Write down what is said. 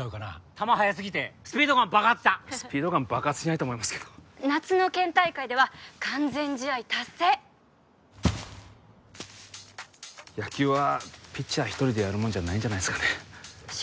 球速すぎてスピードガン爆発したスピードガン爆発しないと思いますけど夏の県大会では完全試合達成野球はピッチャー１人でやるもんじゃないんじゃないですかね翔